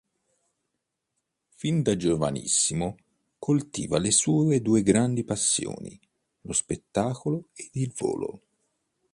Fin da giovanissimo coltiva le sue due grandi passioni: lo spettacolo ed il volo.